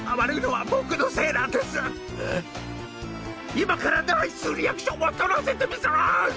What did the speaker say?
今からナイスリアクションをとらせてみせます！